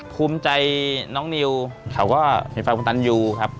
ภูมิใจน้องนิวเขาก็เห็นฟังคุณตันยูครับ